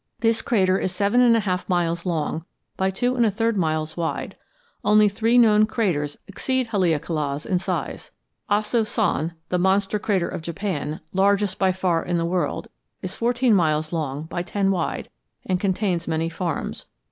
This crater is seven and a half miles long by two and a third miles wide. Only three known craters exceed Haleakala's in size. Aso san, the monster crater of Japan, largest by far in the world, is fourteen miles long by ten wide and contains many farms.